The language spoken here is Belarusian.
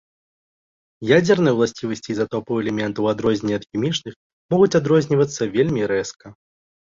Ядзерныя ўласцівасці ізатопаў элемента, у адрозненні ад хімічных, могуць адрознівацца вельмі рэзка.